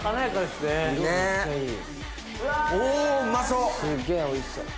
すげぇおいしそう！